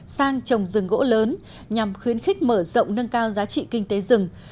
sang trồng rừng gỗ lớn nhằm khuyến khích mở rộng nâng cao giá trị kinh tế rừng